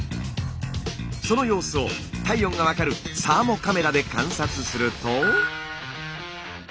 その様子を体温が分かるサーモカメラで観察すると。